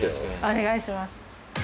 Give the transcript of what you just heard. お願いします